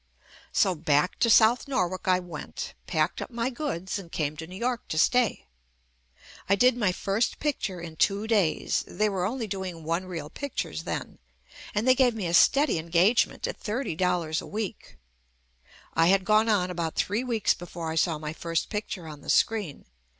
So back to South Norwalk I went, packed up my goods and came to New York to stay. I did my first picture in two days (they were only doing one reel pictures then) and they gave me a steady engagement at thirty dollars JUST ME a week. I had gone on about three weeks be fore I saw my first picture on the screen.